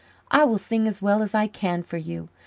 "I will sing as well as I can for you.